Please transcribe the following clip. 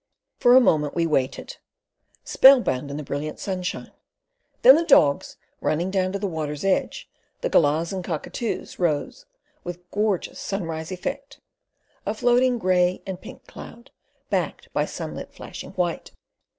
For a moment we waited, spell bound in the brilliant sunshine; then the dogs running down to the water's edge, the gallahs and cockatoos rose with gorgeous sunrise effect: a floating gray and pink cloud, backed by sunlit flashing white.